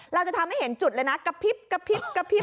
เราจะทำให้เห็นจุดเลยนะกระพริบกระพริบกระพริบ